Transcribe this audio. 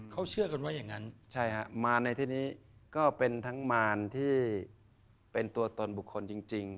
กิเลสหนาก็ต้องมาไหวบ่อย